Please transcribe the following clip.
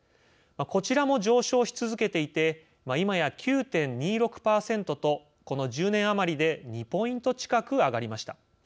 こちらも上昇し続けていていまや９．２６％とこの１０年余りで２ポイント近く上がりました。